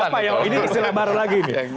siapa ya oh ini istilah baru lagi nih